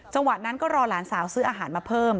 จังหวะนั้นก็รอหลานสาวซื้ออาหารมาเพิ่ม